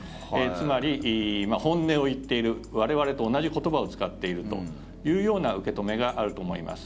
つまり、本音を言っている我々と同じ言葉を使っているというような受け止めがあると思います。